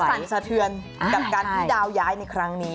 สะเทือนกับการที่ดาวย้ายในครั้งนี้